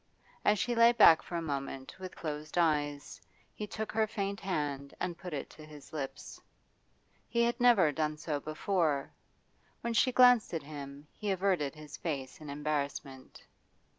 As she lay back for a moment with closed eyes, he took her faint hand and put it to his lips. He had never done so before; when she glanced at him he averted his face in embarrassment.